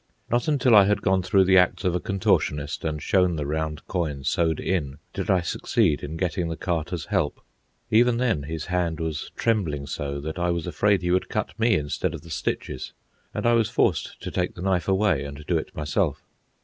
Not until I had gone through the acts of a contortionist, and shown the round coin sewed in, did I succeed in getting the Carter's help. Even then his hand was trembling so that I was afraid he would cut me instead of the stitches, and I was forced to take the knife away and do it myself.